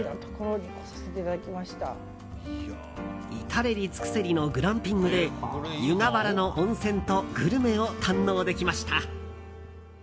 至れり尽くせりのグランピングで湯河原の温泉とグルメを堪能できました。